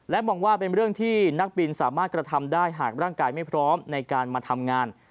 มองว่าเป็นเรื่องที่นักบินสามารถกระทำได้หากร่างกายไม่พร้อมในการมาทำงาน